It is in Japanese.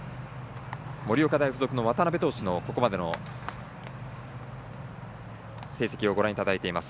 盛岡大付属の渡邊投手のここまでの成績をご覧いただきました。